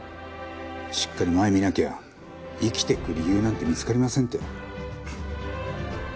しっかり前見なきゃ生きていく理由なんて見つかりませんって。